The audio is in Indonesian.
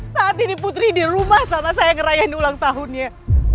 saat ini putri di rumah sama saya ngerayain ulang tahunnya